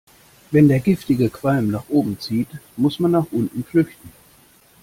Wenn der giftige Qualm nach oben zieht, muss man nach unten flüchten.